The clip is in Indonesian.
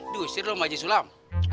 diusir lo sama haji sulam